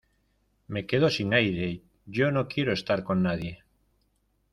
me quedo sin aire. yo no quiero estar con nadie